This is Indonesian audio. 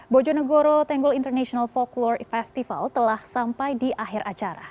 bojo nagoro tenggul international folklore festival telah sampai di akhir acara